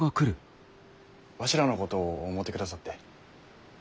わしらのことを思うてくださって。